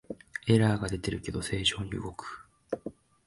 エラーが出てるけど正常に動く